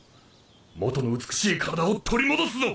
元の美しい体を取り戻すぞ！